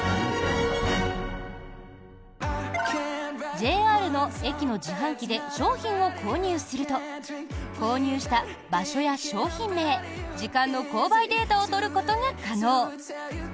ＪＲの駅の自販機で商品を購入すると購入した場所や商品名、時間の購買データを取ることが可能。